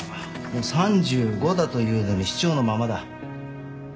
もう３５だというのに士長のままだ。